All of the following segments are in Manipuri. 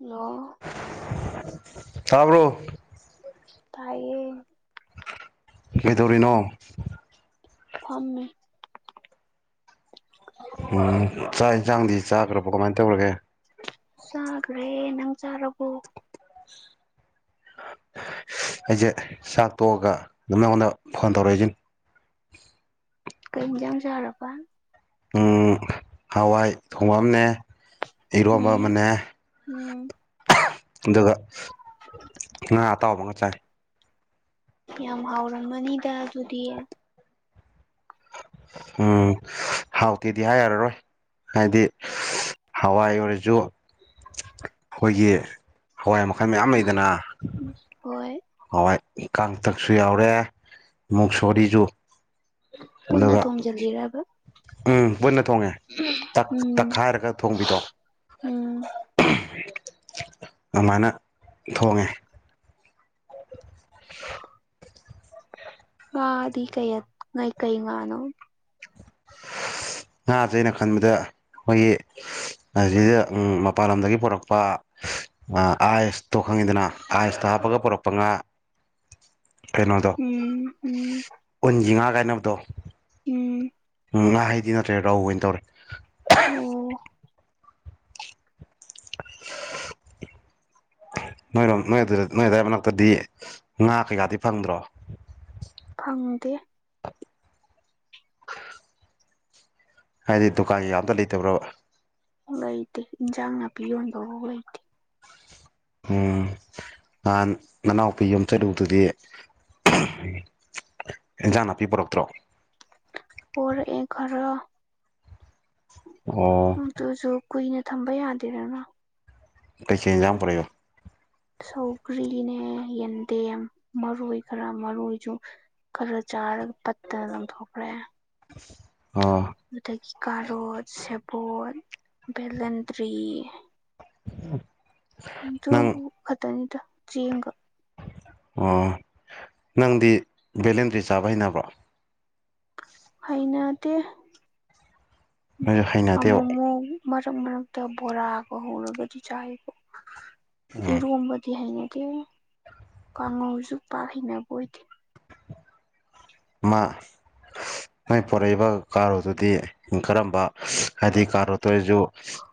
ꯍꯜꯂꯣ ꯇꯥꯕ꯭ꯔꯣ ꯇꯥꯏꯌꯦ ꯀꯩꯗꯧꯔꯤꯅꯣ ꯐꯝꯃꯤ [unintelligible] ꯎꯝ ꯆꯥꯛ ꯏꯟꯖꯥꯡꯗꯤ ꯆꯥꯗ꯭ꯔꯕꯣ ꯀꯃꯥꯏꯅ ꯇꯧꯔꯒꯦ ꯆꯥꯈ꯭ꯔꯦ ꯅꯪ ꯆꯥꯔꯕꯣ ꯑꯩꯁꯦ ꯆꯥꯛ ꯇꯣꯛꯑꯒ ꯑꯗꯨꯝ ꯅꯪꯉꯣꯟꯗ ꯐꯣꯟ ꯇꯧꯔꯛꯏꯁꯤ ꯀꯩ ꯏꯟꯖꯥꯡ ꯆꯔꯕꯥ ꯎꯝ ꯍꯋꯥꯏ ꯊꯣꯡꯉꯝꯅꯦ ꯏꯔꯣꯝꯕ ꯎꯝ ꯑꯃꯅꯦ ꯎꯝ ꯑꯗꯨꯒ ꯉꯥ ꯑꯇꯥꯎꯕꯒ ꯆꯥꯏ ꯌꯥꯝ ꯍꯥꯎꯔꯝꯃꯅꯤꯗ ꯑꯗꯨꯗꯤ ꯎꯝ ꯍꯥꯎꯇꯦꯗꯤ ꯍꯥꯏ ꯌꯥꯔꯔꯣꯏ ꯍꯥꯏꯗꯤ ꯍꯋꯥꯏ ꯑꯣꯏꯔꯁꯨ ꯑꯩꯈꯣꯏꯒꯤ ꯍꯋꯥꯏ ꯃꯈꯜ ꯃꯌꯥꯝ ꯂꯩꯗꯅ ꯍꯣꯏ ꯍꯋꯥꯏ ꯀꯥꯡꯇꯛꯁꯨ ꯌꯥꯎꯔꯦ ꯃꯨꯛꯁꯣꯔꯤꯁꯨ ꯄꯨꯟꯅ ꯑꯗꯨꯒ ꯊꯣꯝꯖꯤꯜꯂꯤꯔꯕ ꯎꯝ ꯄꯨꯟꯅ ꯊꯣꯡꯉꯦ ꯇꯛ ꯎꯝ ꯇꯛꯈꯥꯏꯔꯒ ꯊꯣꯡꯕꯤꯗꯣ ꯎꯝ ꯑꯗꯨꯃꯥꯏꯅ ꯊꯣꯡꯉꯦ [unintelligible] ꯉꯗꯤ ꯀꯩ ꯑꯥ ꯉꯥꯏ ꯀꯩ ꯉꯅꯣ [inaudible] ꯉꯥꯁꯦ ꯑꯩꯅ ꯈꯟꯕꯗ ꯑꯩꯈꯣꯏꯒꯤ ꯑꯁꯤꯗ ꯃꯄꯥꯟ ꯂꯝꯗꯒꯤ ꯄꯨꯔꯛꯄ ꯑꯥ ꯑꯥꯏꯁꯇꯣ ꯈꯪꯉꯤꯗꯅ ꯑꯥꯏꯁꯇ ꯍꯥꯞꯄꯒ ꯄꯨꯔꯛꯄ ꯉꯥ [inaudible] ꯀꯩꯅꯣꯗꯣ ꯎꯝ ꯎꯝ ꯎꯨꯟꯒꯤ ꯉꯥꯒ ꯍꯥꯏꯅꯕꯗꯣ ꯎꯝ ꯎꯝ ꯉꯍꯩꯗꯤ ꯅꯠꯇ꯭ꯔꯦ ꯔꯧ ꯑꯣꯏꯅ ꯇꯧꯔꯦ ꯑꯣ [unintelligible] ꯅꯣꯏꯔꯣꯝ ꯅꯣꯏ ꯑꯗꯨꯗ ꯅꯣꯏ ꯑꯗꯥꯋꯥꯏ ꯃꯅꯥꯛꯇꯗꯤ ꯉꯥ ꯀꯩꯀꯥꯗꯤ ꯐꯪꯗ꯭ꯔꯣ ꯐꯪꯗꯦ ꯍꯥꯏꯗꯤ ꯗꯨꯀꯥꯟ ꯀꯩꯀ ꯑꯝꯇ ꯂꯩꯇꯕ꯭ꯔꯣꯕ ꯂꯩꯇ ꯏꯟꯖꯥꯡ ꯅꯄꯤ ꯌꯣꯟꯕ ꯐꯧ ꯂꯩꯇꯦ ꯎꯝ ꯅꯍꯥꯟ ꯅꯅꯥꯎꯄꯤ ꯌꯨꯝ ꯆꯠꯂꯨꯗꯨꯗꯤ ꯏꯟꯖꯥꯡ ꯅꯥꯄꯤ ꯄꯨꯔꯛꯇ꯭ꯔꯣ ꯄꯔ ꯑꯦ ꯈꯔ ꯑꯣ ꯑꯗꯨꯨꯁꯨ ꯀꯨꯏꯅ ꯊꯝꯕ ꯌꯥꯗꯦꯗꯅ ꯀꯩꯁ ꯌꯥꯝ ꯄꯔꯦꯒꯣ ꯁꯧꯒ꯭ꯔꯤꯅꯦ ꯌꯦꯟꯗꯦ ꯌꯥꯝ ꯃꯔꯨ ꯈꯔ ꯃꯔꯨꯁꯨ ꯈꯂ ꯆꯥꯔꯒ ꯄꯠꯇꯅ ꯂꯪꯊꯣꯛꯈ꯭ꯔꯦ ꯑꯣ ꯑꯗꯨꯗꯒꯤ ꯀꯥꯔꯣꯠ ꯁꯦꯕꯣꯠ ꯚꯦꯂꯟꯇ꯭ꯔꯤ ꯎꯝ ꯇꯨꯕꯨ ꯈꯛꯇꯅꯤꯗ ꯆꯦꯡꯒ ꯑꯣ ꯅꯪꯗꯤ ꯕꯦꯂꯦꯟꯗ꯭ꯔꯤ ꯆꯥꯕ ꯍꯩꯅꯅꯕ꯭ꯔꯣ ꯍꯥꯏꯅꯗꯤ ꯅꯣꯏꯁꯨ ꯑꯣꯃꯣ ꯍꯩꯅꯗꯦꯕ ꯃꯔꯛ ꯃꯔꯔꯛꯇ ꯕꯔꯥ ꯑꯒ ꯍꯧꯔꯕꯗꯤ ꯆꯥꯕ ꯎꯝ ꯏꯔ ꯗꯤ ꯍꯩꯅꯗꯦ ꯀꯥꯡꯉꯧꯁꯨ ꯄꯥꯛ ꯍꯩꯅꯕ ꯑꯣꯏꯗꯦ ꯃꯥ ꯅꯣꯏ ꯄꯣꯔꯛꯏꯕ ꯀꯥꯔ ꯑꯗꯨꯗꯤ ꯀꯔꯝꯕ ꯍꯥꯏꯗꯤ ꯀꯥꯔ ꯇꯣꯏꯔꯁꯨ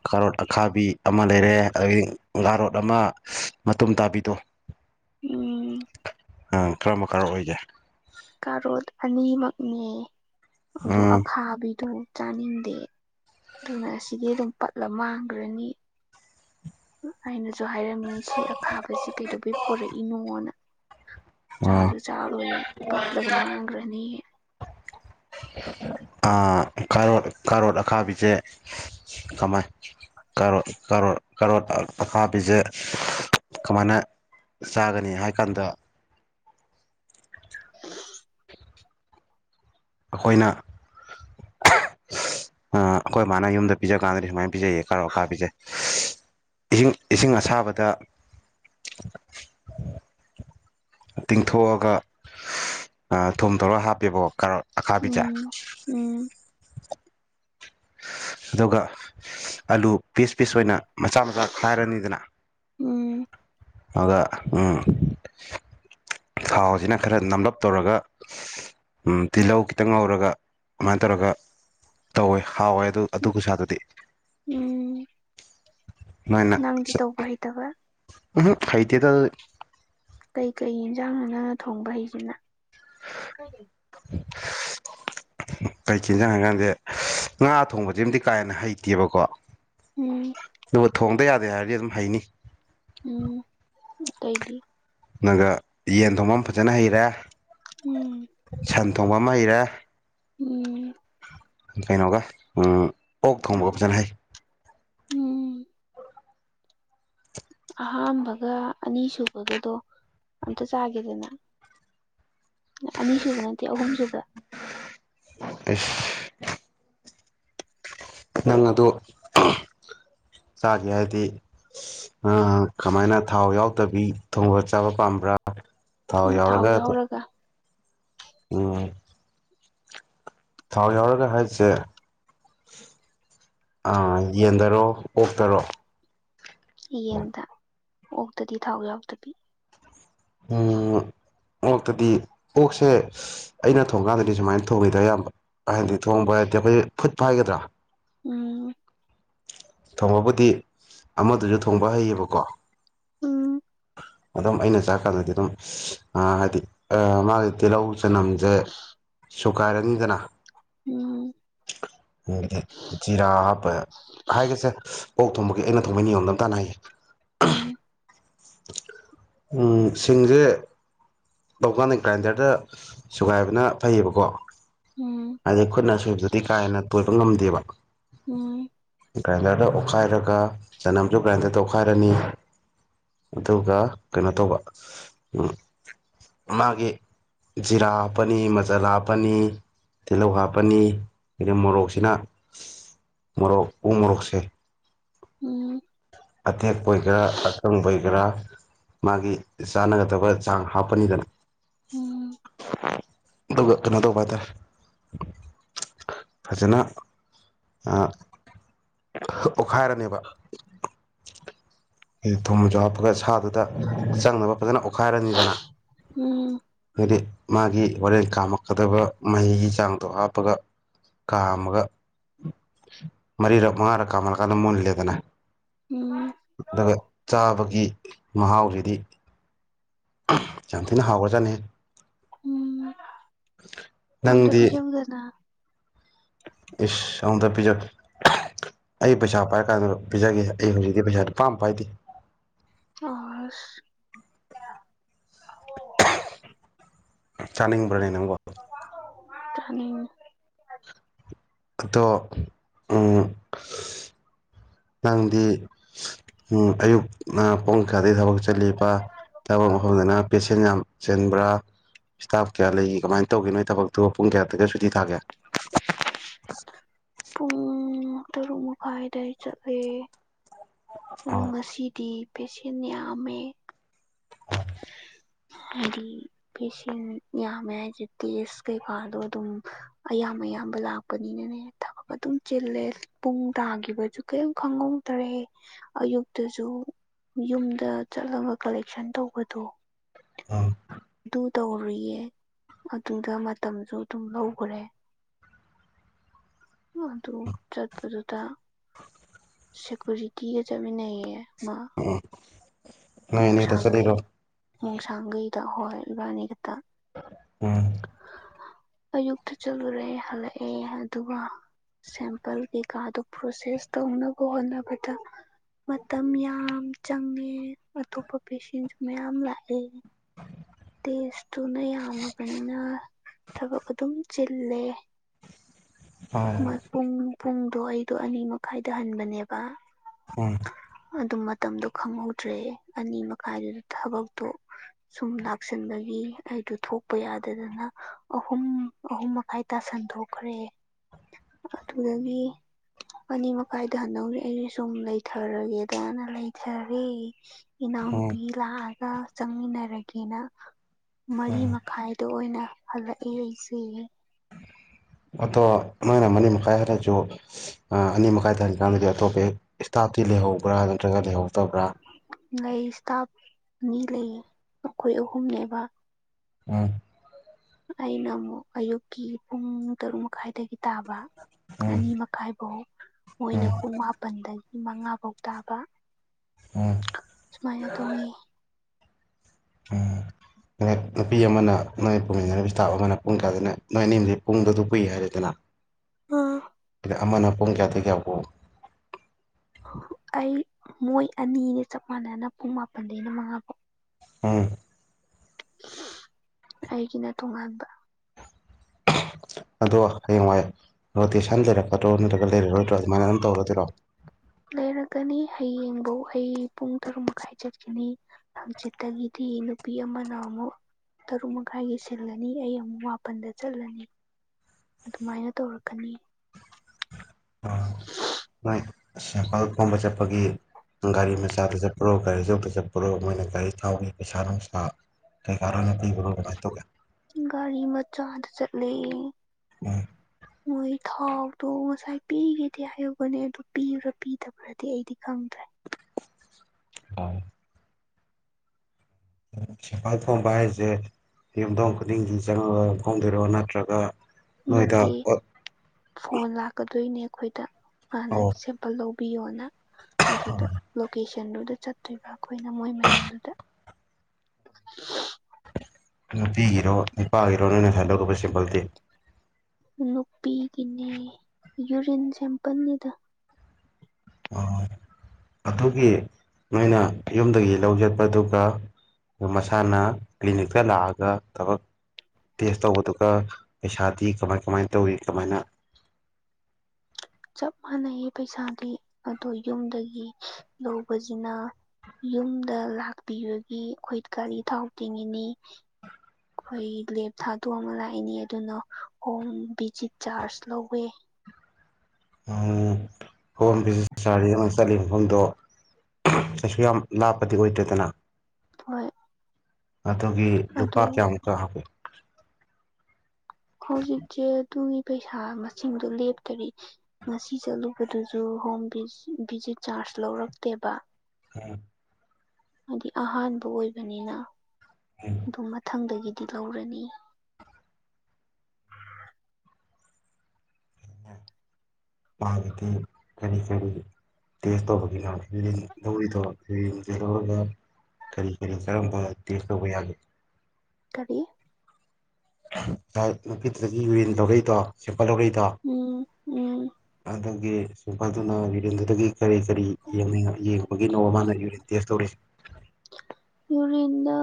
ꯀꯥꯔꯣ ꯑꯈꯥꯕꯤ ꯑꯃ ꯂꯩꯔꯦ ꯑꯗꯒꯤꯒꯥꯔꯣꯠ ꯑꯃ ꯃꯇꯨꯝ ꯇꯥꯕꯤꯗꯣ ꯎꯝ ꯑꯪ ꯀꯔ ꯃꯈ ꯀꯥꯔ ꯑꯣꯏꯒꯦ ꯀꯥꯔꯣꯠ ꯑꯅꯤꯃꯛꯅꯦ ꯑꯗꯨ ꯎꯝ ꯑꯈꯥꯕꯤꯗꯨ ꯆꯥꯅꯤꯡꯗꯦ ꯑꯗꯨꯅ ꯑꯁꯤꯗꯤ ꯑꯗꯨꯝ ꯄꯠꯂ ꯃꯥꯡꯈ꯭ꯔꯅꯤ ꯑꯩꯅꯁꯨ ꯍꯥꯏꯔꯝꯃꯤꯅꯦ ꯁꯤ ꯑꯈꯥꯕꯁꯤ ꯀꯩꯗꯧꯕꯩ ꯄꯣꯔꯛꯏꯅꯣꯅ ꯑꯥ ꯆꯥꯔꯨ ꯆꯥꯔꯨꯣꯏ ꯄꯠꯂꯛ ꯃꯥꯒ ꯔꯅꯤꯌꯦ ꯈꯥꯔꯣ ꯈꯥꯔꯣꯠ ꯑꯈꯥꯕꯤꯁꯦ ꯀꯃꯥꯏ ꯀꯔꯣ ꯀꯔꯣ ꯀꯔꯣꯔ ꯑꯈꯥꯕꯤꯁꯦ ꯀꯃꯥꯏꯅ ꯆꯥꯒꯅꯤ ꯍꯥꯏ ꯀꯥꯟꯗ [unintelligible] ꯑꯩꯈꯣꯏꯅ ꯑꯩꯈꯣꯏ ꯏꯃꯅ ꯌꯨꯝꯗ ꯄꯤꯖꯀꯥꯟꯗꯗꯤ ꯁꯨꯃꯥꯏꯅ ꯄꯤꯖꯩꯌꯦ ꯀꯔꯀꯥ ꯄꯤꯖꯩ ꯏꯁꯤꯡ ꯏꯁꯤꯡ ꯑꯁꯥꯕꯗ [unintelligible] ꯇꯤꯡꯊꯣꯛꯑꯒ ꯊꯣ ꯇꯧꯔꯒ ꯍꯥꯞꯄꯦꯕꯀꯣ ꯀꯥꯔꯣ ꯑ ꯈꯥꯕꯤꯤꯆꯥ ꯎꯝ ꯎꯝ ꯑꯗꯨꯒ ꯑꯂꯨ ꯄꯤꯁ ꯄꯤꯁ ꯑꯣꯏꯅ ꯃꯆꯥ ꯃꯆꯥ ꯈꯥꯏꯔꯅꯤꯗꯅ ꯎꯝ ꯑꯗꯨꯒ ꯊꯥꯎꯁꯤꯅ ꯈꯔ ꯅꯝꯂꯞ ꯇꯧꯔꯒ ꯇꯤꯜꯍꯧ ꯈꯤꯇꯪ ꯉꯧꯔꯒ ꯑꯗꯨꯃꯥꯏꯅ ꯇꯧꯔꯒ ꯇꯧꯋꯦ ꯍꯥꯎꯋꯦ ꯑꯗꯨ ꯑꯗꯨ ꯁꯥ ꯑꯗꯨꯗꯤ ꯎꯝ ꯅꯣꯏꯅ ꯅꯪꯗꯤ ꯇꯧꯕ ꯍꯩꯇꯕ ꯎꯝ ꯍꯥꯏꯗꯤꯦꯗ ꯀꯩꯀꯩ ꯌꯦꯟꯁꯥꯡꯅꯅꯥꯅ ꯊꯣꯡꯕ ꯍꯩꯁꯤꯅ ꯀꯩꯀꯦꯜ ꯁ ꯍꯥꯏꯀꯥꯟꯗꯦ ꯉꯥ ꯊꯣꯡꯕꯗꯤ ꯑꯃꯗꯤꯝꯗꯤ ꯀꯥ ꯍꯦꯟꯅ ꯍꯩꯇꯦꯕꯀꯣ ꯎꯝ ꯑꯗꯨꯒ ꯊꯣꯡꯗ ꯌꯥꯗꯦ ꯍꯥꯏꯔꯗꯤ ꯑꯗꯨꯝ ꯍꯩꯅꯤ ꯎꯝ ꯀꯩꯗꯤ ꯅꯪꯒ ꯌꯦꯟ ꯊꯣꯡꯕ ꯑꯃ ꯐꯖꯅ ꯍꯩꯔꯦ ꯎꯝ ꯁꯟ ꯊꯣꯡꯕ ꯑꯃ ꯍꯩꯔꯦ ꯎꯝ ꯀꯩꯅꯣꯒ ꯑꯣꯛ ꯊꯣꯡꯕꯒ ꯐꯖꯅ ꯍꯩ ꯎꯝ ꯑꯍꯥꯝꯕꯒ ꯑꯅꯤꯁꯨꯨꯕꯒꯗꯣ ꯑꯝꯇ ꯆꯥꯒꯦꯗꯅ ꯑꯅꯤꯁꯨꯨꯕ ꯅꯠꯇꯦ ꯑꯍꯨꯝꯁꯨꯨꯕ ꯑꯁ ꯅꯪ ꯑꯗꯨ ꯆꯥꯒꯦ ꯍꯥꯏꯗꯤ ꯑ ꯀꯃꯥꯏꯅ ꯊꯥꯎ ꯌꯥꯎꯗꯕꯤ ꯊꯣꯡꯕ ꯆꯥꯕ ꯄꯥꯝꯕ꯭ꯔꯥ ꯎꯝ ꯊꯥꯎ ꯌꯥꯎꯔꯒ ꯎꯝ ꯊꯥꯎ ꯌꯥꯎꯔꯒ ꯍꯥꯏꯁꯦ ꯑꯥ ꯌꯦꯟꯗꯔꯣ ꯑꯣꯛꯇꯔꯣ ꯌꯦꯟꯗ ꯑꯣꯛꯇꯗꯤ ꯊꯥꯎ ꯌꯥꯎꯗꯕꯤ ꯎꯝ ꯑꯣꯛꯇꯗꯤ ꯑꯣꯛꯁꯦ ꯑꯩꯅ ꯊꯣꯡꯒꯥꯟꯗꯗꯤ ꯁꯨꯃꯥꯏꯅ ꯊꯣꯡꯉꯤꯗ ꯑꯌꯥꯝꯕ ꯍꯥꯏꯗꯤ ꯊꯣꯡꯕ ꯍꯥꯏꯔꯗꯤ ꯑꯩꯈꯣꯏ ꯐꯨꯠꯄ ꯍꯥꯏꯒꯗ꯭ꯔꯥ ꯎꯝ ꯊꯣꯡꯕꯕꯨꯗꯤ ꯑꯃꯗꯨꯁꯨ ꯊꯣꯡꯕ ꯍꯩꯌꯦꯕꯀꯣ ꯎꯝ ꯑꯗꯨꯝ ꯑꯩꯅ ꯆꯥꯛꯀꯥꯟꯗꯗꯤ ꯑꯗꯨꯝ ꯍꯥꯏꯗꯤ ꯃꯥꯒꯤ ꯇꯤꯜꯍꯧ ꯆꯅꯝꯁꯦ ꯁꯨꯒꯥꯏꯔꯅꯤꯗꯅ ꯎꯝ ꯆꯖꯤꯔꯥꯄ [inaudible] ꯍꯥꯏꯒꯦꯁꯦ ꯑꯣꯛ ꯊꯣꯡꯕꯒꯤ ꯑꯩꯅ ꯊꯣꯡꯕꯩ ꯅꯤꯌꯣꯝꯗꯝꯇꯅ ꯍꯥꯏꯒꯦ ꯎꯝ ꯎꯝ ꯁꯤꯡꯁꯦ ꯂꯧꯀꯥꯟꯗ ꯒ꯭ꯔꯥꯏꯟꯗꯔꯗ ꯁꯨꯒꯥꯏꯕꯅ ꯐꯩꯌꯦꯕꯀꯣ ꯎꯝ ꯑꯗꯩ ꯈꯨꯠꯅ ꯁꯨꯕꯗꯨꯗꯤ ꯀꯥ ꯍꯦꯟꯅ ꯇꯣꯏꯕ ꯉꯝꯗꯦꯕ ꯎꯝ ꯒ꯭ꯔꯥꯏꯟꯗꯔꯗ ꯑꯣꯠꯈꯥꯏꯔꯒ ꯆꯅꯝꯁꯨ ꯒ꯭ꯔꯥꯏꯟꯗꯔꯗ ꯑꯣꯠꯈꯥꯏꯔꯅꯤ ꯑꯗꯨꯒ ꯀꯩꯅꯣ ꯇꯧꯕ ꯃꯥꯒꯤ ꯖꯤꯔꯥ ꯍꯥꯞꯄꯅꯤ ꯃꯆꯜꯍꯥꯞꯄꯅꯤ ꯇꯤꯜꯍꯧ ꯍꯥꯞꯄꯅꯤ ꯑꯗ ꯃꯣꯔꯣꯛꯁꯤꯅ ꯃꯣꯔꯣꯛ ꯎ ꯃꯣꯔꯣꯛꯁꯦ ꯎꯝ ꯑꯇꯦꯛꯄ ꯑꯣꯏꯒꯦꯔꯥ ꯑꯀꯪꯕ ꯒꯦꯔꯥ ꯃꯥꯒꯤ ꯆꯥꯟꯅꯒꯗꯕ ꯆꯥꯡ ꯍꯥꯞꯄꯅꯤꯗꯅ ꯎꯝ ꯑꯗꯨꯒ ꯀꯩꯅꯣ ꯇꯧꯕꯥꯏꯇꯔꯦ ꯐꯖꯅ ꯑꯣꯠꯈꯥꯏꯔꯅꯦꯕ ꯊꯨꯝꯁꯨ ꯍꯥꯞꯄꯒ ꯁꯥꯗꯨꯗ ꯆꯪꯅꯕ ꯐꯖꯅ ꯈꯥꯏꯔꯅꯤꯗꯅ ꯎꯝ ꯍꯥꯏꯗꯤ ꯃꯥꯒꯤ ꯍꯣꯔꯦꯟ ꯀꯥꯝꯃꯛꯀꯗꯕ ꯃꯍꯤꯒꯤ ꯆꯥꯡꯗꯣ ꯍꯥꯞꯄꯒ ꯀꯥꯝꯃꯒ ꯃꯔꯤꯔꯛ ꯃꯉꯥꯔꯛ ꯀꯥꯃꯜꯂꯀꯥꯟꯗ ꯃꯨꯟꯂꯦꯗꯅ ꯎꯝ ꯑꯗꯨꯒ ꯆꯥꯕꯒꯤ ꯃꯍꯥꯎꯁꯤꯗꯤ ꯌꯥꯝꯊꯤꯅ ꯍꯥꯎꯒ꯭ꯔꯖꯅꯦ ꯎꯝ ꯑꯗꯨꯗ [inaudible] ꯑꯝꯇ ꯄꯤꯍꯧ ꯗꯅ ꯏꯁ ꯑꯗ ꯄꯤꯖ ꯑꯩ ꯄꯩꯁꯥ ꯄꯥꯏꯔ ꯀꯥꯟꯗ ꯄꯤꯖꯒꯦ ꯑꯩ ꯍꯧꯖꯤꯛꯇꯤ ꯄꯩꯁꯥ ꯂꯨꯄꯥꯝ ꯄꯥꯏꯗꯦ ꯑꯁ ꯆꯥꯅꯤꯡꯕ꯭ꯔꯅꯦ ꯅꯪꯕꯣ ꯆꯥꯅꯤꯉꯦ ꯑꯗꯣ ꯅꯪꯗꯤ ꯑꯌꯨꯛ ꯄꯨꯡꯈꯥꯗꯒꯤꯩ ꯊꯕꯛ ꯆꯠꯕ ꯊꯛꯕ ꯃꯐꯝꯗꯅ ꯄꯦꯁꯦꯟ ꯌꯥꯝ ꯆꯟꯕ꯭ꯔꯥ ꯏꯁ꯭ꯇꯥꯐ ꯀꯌꯥ ꯂꯩ ꯀꯃꯥꯏ ꯇꯧꯒꯦ ꯅꯣꯏ ꯊꯕꯛꯇꯣ ꯄꯨꯡ ꯀꯌꯥꯗꯒ ꯁꯨꯇꯤ ꯊꯥꯒꯦ ꯄꯨꯡ ꯇꯔꯨꯛ ꯃꯈꯥꯏꯗ ꯆꯠꯂꯦ ꯑꯗꯨꯣ ꯑꯣ ꯉꯁꯤꯗꯤ ꯄꯦꯁꯦꯟ ꯌꯥꯝꯃꯦ ꯍ ꯍꯥꯏꯗꯤ ꯄꯁ ꯌꯥꯝꯃꯦ ꯍꯥꯏꯁꯦ ꯇꯦꯁ ꯀꯩ ꯐꯥꯗꯣ ꯑꯗꯨꯝ ꯑꯌꯥꯝ ꯑꯌꯥꯝꯕ ꯂꯥꯛꯄꯅꯤꯅꯅꯦ ꯊꯕꯛ ꯑꯗꯨꯝ ꯆꯤꯜꯂꯦ ꯄꯨꯡ ꯇꯥꯈꯤꯕꯁꯨ ꯀꯔꯤꯝ ꯈꯪꯍꯧ ꯇꯔꯦꯠ ꯑꯌꯨꯛꯇꯁꯨ ꯌꯨꯝꯗ ꯆꯠꯂꯒ ꯀꯂꯦꯛꯁꯟ ꯇꯧꯕꯗꯣ ꯑ ꯑꯗꯨ ꯇꯧꯔꯨꯔꯤꯌꯦ ꯑꯗꯨꯗ ꯃꯇꯝꯁꯨ ꯑꯗꯨꯝ ꯂꯧꯈ꯭ꯔꯦ ꯑꯗꯨ ꯆꯠꯄꯗꯨꯗ ꯁꯦꯀꯨꯔꯤꯇꯤꯒ ꯆꯠꯃꯤꯟꯅꯩꯌꯦ ꯃꯥ ꯅꯣꯏ ꯑꯅꯤ ꯈꯛꯇ ꯃꯣꯡꯁꯥꯡꯒꯩ ꯆꯠꯂꯤꯔꯣ ꯅꯨꯡꯁꯥꯡꯈꯩꯗ ꯍꯣꯏ ꯏꯕꯥꯅꯤ ꯈꯛꯇ ꯎꯝ ꯑꯌꯨꯛꯇ ꯆꯠꯂꯨꯔꯦ ꯍꯜꯂꯛꯑꯦ ꯑꯗꯨꯒ ꯁꯦꯝꯄꯜ ꯀꯩꯀꯥꯗꯨ ꯄ꯭ꯔꯣꯁꯦꯁ ꯇꯧꯅꯕ ꯍꯣꯠꯅꯕꯗ ꯃꯇꯝ ꯌꯥꯝ ꯆꯪꯉꯦ ꯑꯇꯣꯞꯄ ꯄꯦꯁꯦꯟꯁꯨ ꯃꯌꯥꯝ ꯂꯥꯛꯑꯦ ꯇꯦꯠꯏꯇꯨꯅ ꯌꯝꯃꯕꯅꯤꯅ ꯊꯕꯛ ꯑꯗꯨꯝ ꯆꯤꯜꯂꯦ ꯍꯣꯏ ꯄꯨꯡ-ꯄꯨꯡꯗꯣ ꯑꯩꯗꯣ ꯑꯅꯤ ꯃꯈꯥꯏꯗ ꯍꯟꯕꯅꯦꯕ ꯎꯝ ꯑꯗꯨꯝ ꯃꯇꯝꯗꯣ ꯈꯪꯍꯧꯗ꯭ꯔꯦ ꯑꯅꯤ ꯃꯈꯥꯏꯗꯨꯗ ꯊꯕꯛꯇꯣ ꯁꯨꯝ ꯂ ꯁꯤꯟꯕꯒꯤ ꯑꯩꯗꯨ ꯊꯣꯛꯄ ꯌꯥꯗꯗꯅ ꯑꯍꯨꯝ-ꯑꯍꯨꯝ ꯃꯈꯥꯏ ꯇꯥꯁꯟꯗꯣꯛꯈ꯭ꯔꯦ ꯑꯗꯨꯗꯒꯤ ꯑꯅꯤ ꯃꯈꯥꯏꯗ ꯍꯟꯗꯧꯅꯤ ꯑꯩꯩꯅ ꯁꯨꯝ ꯂꯩꯊꯔꯒꯦꯗꯅ ꯂꯩꯊꯔꯦ ꯎꯝ ꯏꯅꯥꯎꯅꯨꯄꯤ ꯂꯥꯛꯑꯒ ꯆꯪꯃꯤꯟꯅꯔꯒꯦꯅ ꯃꯔꯤ ꯎꯝ ꯃꯈꯥꯏꯗ ꯑꯣꯏꯅ ꯍꯜꯂꯛꯏ ꯑꯩꯁꯦ ꯑꯗꯣ ꯅꯣꯏꯅ ꯃꯅꯤ ꯃꯈꯥꯏ ꯍꯥꯏꯔꯁꯨ ꯑꯅꯤ ꯃꯈꯥꯏ ꯊꯥꯟꯀꯥꯟꯗꯗꯤ ꯑꯇꯣꯞꯄ ꯏꯁꯇꯥꯐꯇꯤ ꯂꯩꯍꯧꯕ꯭ꯔꯥ ꯅꯠꯇ꯭ꯔꯒ ꯂꯩꯍꯧꯗꯕ꯭ꯔꯥ ꯂꯩ ꯏꯁꯇꯥꯐ ꯑꯅꯤ ꯂꯩ ꯑꯩꯈꯣꯏ ꯑꯍꯨꯝꯅꯦꯕ ꯎꯝ ꯑꯩꯅ ꯑꯃꯨꯛ ꯑꯌꯨꯛꯀꯤ ꯄꯨꯡ ꯇꯔꯨꯛ ꯃꯈꯥꯏꯗꯒꯤ ꯇꯥꯕ ꯎꯝ ꯑꯅꯤ ꯃꯈꯥꯏꯐꯧ ꯃꯣꯏꯅ ꯎꯝ ꯄꯨꯡ ꯃꯥꯄꯜꯗꯒꯤ ꯃꯉꯥ ꯐꯧ ꯇꯥꯕ ꯑꯣ ꯁꯨꯃꯥꯏꯅ ꯇꯧꯋꯦ [inaudible] ꯑꯗ ꯅꯨꯄꯤ ꯑꯃꯅ ꯅꯣꯏ ꯄꯨꯃꯤꯟꯅꯔꯤꯕ ꯏꯁꯇꯥꯐ ꯑꯃꯅ ꯄꯨꯡ ꯀꯌꯥꯗꯅ ꯅꯣꯏ ꯑꯅꯤꯁꯦ ꯄꯨꯡꯗ ꯑꯗꯨ ꯄꯨꯏ ꯍꯥꯏꯔꯦꯗꯅ ꯑ ꯑꯃꯅ ꯄꯨꯡ ꯀꯌꯥꯗꯒꯤꯃꯨꯛ ꯑꯩ ꯃꯣꯏ ꯑꯅꯤꯅꯤ ꯆꯞ ꯃꯥꯟꯅꯅ ꯄꯨꯡ ꯃꯥꯄꯜꯗꯩꯅ ꯃꯉꯥꯐꯥꯎ ꯎꯝ ꯑꯩꯒꯤꯅ ꯇꯣꯉꯥꯟꯕ ꯑꯗꯣ ꯍꯌꯦꯡꯋꯥꯏ ꯔꯣꯇꯦꯁꯟ ꯂꯩꯔꯛꯀꯗ꯭ꯔꯣ ꯅꯠꯇ꯭ꯔꯒ ꯂꯩꯔꯔꯣꯏꯗ꯭ꯔꯣ ꯑꯗꯨꯃꯥꯏꯅ ꯑꯗꯨꯝ ꯇꯧꯔꯗꯣꯏꯔꯣ ꯂꯩꯔꯛꯀꯅꯤ ꯍꯌꯦꯡꯐꯧ ꯑꯩ ꯄꯨꯡ ꯇꯔꯨꯛ ꯃꯈꯥꯏ ꯆꯠꯀꯅꯤ ꯍꯧꯖꯤꯛꯇꯒꯤꯗꯤ ꯅꯨꯄꯤ ꯑꯃ ꯅꯃꯨꯛ ꯇꯔꯨꯛ ꯃꯈꯥꯏꯒꯤ ꯁꯤꯜꯂꯅꯤ ꯑꯩ ꯑꯃꯨꯛ ꯃꯥꯄꯟꯗ ꯆꯠꯂꯅꯤ ꯑꯗꯨꯃꯥꯏꯅ ꯇꯧꯔꯛꯀꯅꯤ ꯑ ꯅꯣꯏ ꯁꯄꯜ ꯈꯣꯕ ꯆꯠꯄꯒꯤ ꯒꯥꯔꯤ ꯃꯆꯥꯗ ꯆꯠꯄꯔꯣ ꯒꯥꯔꯤ ꯑꯆꯧꯕꯗ ꯆꯠꯄꯔꯣ ꯃꯣꯏꯅ ꯒꯥꯔꯤ ꯊꯥꯎꯒꯤ ꯄꯩꯁꯥ ꯅꯨꯡꯁꯥ ꯀꯩꯀꯥ ꯂꯣꯏꯅ ꯄꯤꯕ꯭ꯔꯣ ꯀꯃꯥꯏꯅ ꯇꯧꯒꯦ ꯒꯥꯔꯤ ꯃꯆꯥꯗ ꯆꯠꯂꯦ ꯎꯝ ꯃꯣꯏ ꯊꯥꯎꯗꯣ ꯉꯁꯥꯏ ꯄꯤꯒꯦꯗꯤ ꯍꯥꯏꯌꯧꯕꯅꯦ ꯑꯗꯨ ꯄꯤꯕ꯭ꯔꯥ ꯄꯤꯗꯕ꯭ꯔꯗꯤ ꯑꯩꯗꯤ ꯈꯪꯗ꯭ꯔꯦ [inaudible] ꯁꯦꯝꯄꯜ ꯊꯣꯝꯕ ꯍꯥꯏꯁꯦ [inaudible] ꯌꯨꯝꯊꯣꯡ ꯈꯨꯗꯤꯡꯒꯤ ꯆꯪꯉꯒ ꯐꯣꯡꯗꯣꯏꯔꯣ ꯅꯠꯇ꯭ꯔꯒ ꯅꯣꯏꯗ ꯅꯠꯇꯦ ꯐꯣꯟ ꯂꯥꯛꯀꯗꯣꯏꯅꯦ ꯑꯩꯈꯣꯏꯗ ꯍꯥꯟꯅ ꯑꯣ ꯂꯧꯕꯤꯌꯣꯅ ꯑꯗꯨꯗ ꯂꯣꯀꯦꯁꯟꯗꯨꯗ ꯆꯠꯇꯣꯏꯕ ꯑꯩꯈꯣꯏꯅ ꯃꯣꯏ ꯃꯌꯨꯝꯗꯨꯗ ꯅꯨꯄꯤ ꯒꯤꯔꯣ ꯅꯨꯄꯥ ꯒꯤꯔꯣ ꯅꯣꯢ ꯉꯁꯥꯢ ꯂꯧꯔꯨꯕ ꯁꯦꯝꯕꯜꯗꯤ ꯅꯨꯄꯤꯒꯤꯅꯦ ꯌꯨꯔꯤꯟ ꯁꯦꯝꯄꯜꯅꯤꯗ ꯑꯣ ꯑꯗꯨꯒꯤ ꯅꯣꯏꯅ ꯌꯨꯝꯗꯒꯤ ꯂꯧ ꯆꯠꯄꯗꯨꯒ ꯃꯁꯥꯅ ꯀ꯭ꯂꯤꯅꯤꯛꯇ ꯂꯥꯛꯑꯒ ꯊꯕꯛ ꯇꯦꯁ ꯇꯧꯕꯗꯨꯒ ꯄꯩꯁꯥꯗꯤ ꯀꯃꯥꯏ-ꯀꯃꯥꯏꯅ ꯇꯧꯋꯤ ꯀꯃꯥꯏꯅ ꯆꯞ ꯃꯥꯟꯅꯩꯌꯦ ꯄꯩꯁꯥꯗꯤ ꯑꯗꯣ ꯌꯨꯝꯗꯒꯤ ꯂꯧꯕꯁꯤꯅ ꯌꯨꯝꯗ ꯂꯥꯛꯄꯤꯕꯒꯤ ꯑꯩꯈꯣꯏ ꯒꯥꯔꯤ ꯊꯥꯎ ꯇꯤꯡꯉꯤꯅꯤ ꯑꯩꯈꯣꯏꯒꯤ ꯂꯦꯞ ꯊꯥꯗꯣꯛꯑ ꯑꯃ ꯂꯥꯛꯏꯅꯤ ꯑꯗꯨꯅ ꯍꯣꯝ ꯚꯤꯖꯤꯠ ꯆꯥꯔꯖ ꯂꯧꯋꯦ ꯍꯣꯝ ꯕꯤꯖꯤꯠ ꯆꯥꯔꯁ ꯆꯠꯂꯤ ꯃꯐꯝꯗꯣ ꯀꯩꯁꯨ ꯌꯥꯝ ꯂꯥꯞꯄꯗꯤ ꯑꯣꯏꯗꯦꯗꯅ ꯍꯣꯏ ꯑꯗꯨꯒꯤ ꯂꯨꯄꯥ ꯑꯗꯨ ꯀꯌꯥꯃꯨꯛꯀ ꯍꯥꯞꯒꯦ ꯍꯧꯖꯤꯛꯁꯦ ꯑꯗꯨꯒꯤ ꯄꯩꯁꯥ ꯃꯁꯤꯡꯗꯣ ꯂꯦꯞꯇꯔꯤ ꯉꯁꯤ ꯆꯠꯂꯨꯕꯗꯨꯁꯨ ꯍꯣꯝ ꯚꯤꯖꯤꯠ ꯆꯥꯔꯖ ꯂꯧꯔꯛꯇꯦꯕ ꯑꯝ ꯍꯥꯏꯗꯤ ꯑꯍꯥꯟꯕ ꯑꯣꯏꯕꯅꯤꯅ ꯑꯗꯨ ꯃꯊꯪꯗꯒꯤꯗꯤ ꯂꯧꯔꯅꯤ [unintelligible] ꯄꯥꯒꯗꯤ ꯀꯔꯤ ꯀꯔꯤ [inaudible] ꯇꯦꯁ ꯇꯧꯕꯒꯤꯅ ꯍꯡ ꯂꯧꯧꯔꯤꯗꯣ ꯍꯡ ꯌꯦꯡꯁꯤꯦꯜ ꯂꯧꯧꯔꯒ [inaudible] ꯀꯔꯤ ꯀꯔꯤ ꯀꯔꯝꯕ ꯇꯦꯁ ꯇꯧꯕ ꯌꯥꯒꯦ ꯀꯔꯤ ꯅꯨꯄꯤꯗꯨꯗꯒꯤ ꯌꯨꯔꯤꯟ ꯂꯧꯔꯛꯢꯗꯣ ꯁꯦꯝꯄꯜ ꯂꯧꯔꯛꯢꯗꯣ ꯎꯝ ꯎꯝ ꯑꯗꯨꯗꯒꯤ ꯁꯦꯝꯄꯥꯜꯗꯨꯅ ꯌꯨꯔꯤꯟꯗꯨꯗꯒꯤ ꯀꯔꯤ ꯀꯔꯤ ꯌꯦꯡꯅꯤꯡ ꯌꯦꯡꯕꯒꯤꯅꯣ ꯃꯥꯅ ꯌꯨꯔꯤꯟ ꯇꯦꯁ ꯇꯧꯔꯤꯁꯦ ꯌꯨꯔꯤꯟꯗꯣ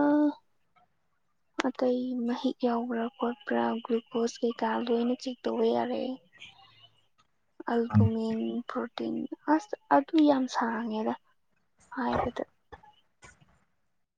ꯑꯇꯩ ꯃꯍꯤꯛ ꯌꯥꯎꯕ꯭ꯔꯥ ꯈꯣꯠꯄ꯭ꯔꯥ ꯒ꯭ꯂꯨꯀꯣꯁ ꯀꯩꯀꯥ ꯂꯣꯏꯅ ꯆꯦꯛ ꯇꯧꯕ ꯌꯥꯔꯦ ꯑꯜꯕꯨꯨꯃꯤꯟ ꯄ꯭ꯔꯣꯇꯤꯟ ꯑꯁ ꯑꯗꯨ ꯌꯥꯝ ꯁꯥꯡꯉꯦꯗ ꯍꯥꯏꯕꯗ